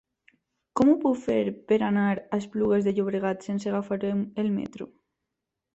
Com ho puc fer per anar a Esplugues de Llobregat sense agafar el metro?